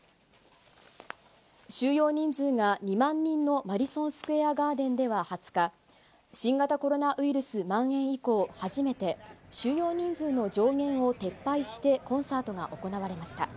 収容人数が２万人のマディソン・スクエア・ガーデンでは２０日、新型コロナウイルスまん延以降、初めて収容人数の上限を撤廃してコンサートが行われました。